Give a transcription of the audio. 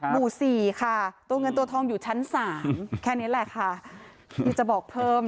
หมู่สี่ค่ะตัวเงินตัวทองอยู่ชั้น๓แค่นี้แหละค่ะที่จะบอกเพิ่ม